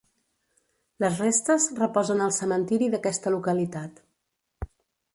Les restes reposen al cementiri d’aquesta localitat.